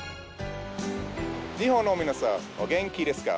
日本の皆さんお元気ですか？